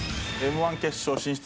Ｍ−１決勝進出。